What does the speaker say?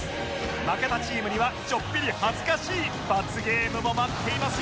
負けたチームにはちょっぴり恥ずかしい罰ゲームも待っていますよ